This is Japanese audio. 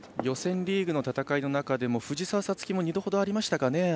予選リーグの戦いの中でも藤澤五月も２度ほどありましたね。